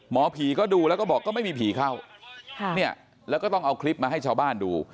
หมอผีก็ดูแล้วก็บอกก็ไม่มีผีเข้าแล้วก็ต้องเอาคลิปมาให้ชาวบ้านดู